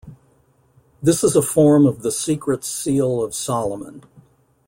This is a form of the 'Secret Seal of Solomon'.